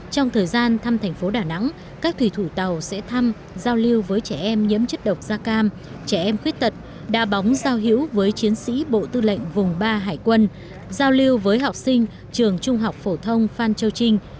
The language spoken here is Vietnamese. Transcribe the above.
trong thời gian thăm thành phố đà nẵng các thủy thủ tàu sẽ thăm giao lưu với trẻ em nhiễm chất độc da cam trẻ em khuyết tật đa bóng giao hữu với chiến sĩ bộ tư lệnh vùng ba hải quân giao lưu với học sinh trường trung học phổ thông phan châu trinh